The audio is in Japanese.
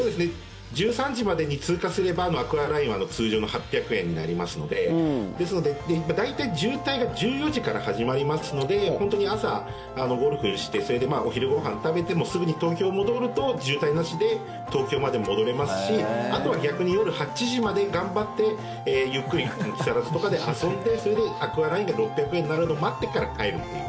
１３時までに通過すればアクアラインは通常の８００円になりますのでですので、大体渋滞が１４時から始まりますので本当に朝、ゴルフしてそれでお昼ご飯食べてすぐに東京に戻ると渋滞なしで東京まで戻れますしあとは逆に夜８時まで頑張ってゆっくり木更津とかで遊んでそれでアクアラインで６００円になるのを待ってから帰るという。